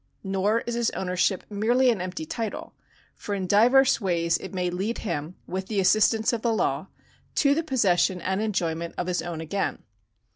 Nor is his ownership merely an empty title ; for in divers ways it may lead him, with the assistance of the law, to the possession and enjoyment of his own again.